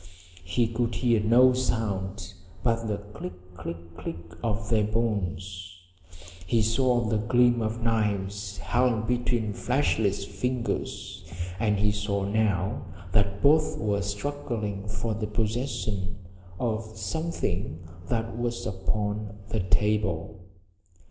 He could hear no sound but the click click click of their bones. He saw the gleam of knives held between fleshless fingers, and he saw now that both were struggling for the possession of something that was upon the table.